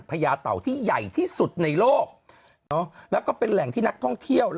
ญาเต่าที่ใหญ่ที่สุดในโลกแล้วก็เป็นแหล่งที่นักท่องเที่ยว